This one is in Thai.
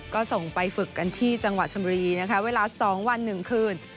ก็ส่งไปฝึกกันที่จังหวัดชมบุรีนะคะเวลา๒วัน๑คืน